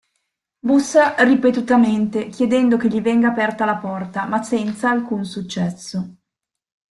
Bussa ripetutamente chiedendo che gli venga aperta la porta, ma senza alcun successo.